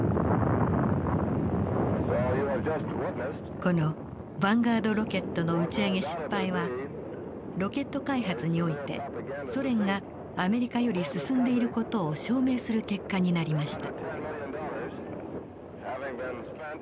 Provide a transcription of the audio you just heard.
このヴァンガードロケットの打ち上げ失敗はロケット開発においてソ連がアメリカより進んでいる事を証明する結果になりました。